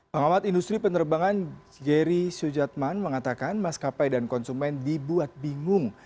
pengamat industri penerbangan jerry sujatman mengatakan maskapai dan konsumen dibuat bingung